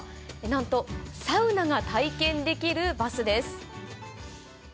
なんとサウナが体験できるバスです。